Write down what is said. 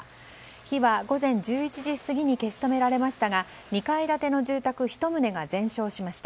火は午前１１時過ぎに消し止められましたが２階建ての住宅１棟が全焼しました。